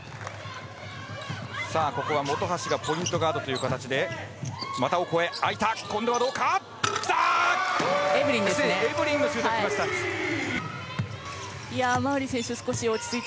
ここは本橋がポイントガードという形で股を越え、空いた！